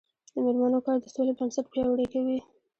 د میرمنو کار د سولې بنسټ پیاوړی کوي.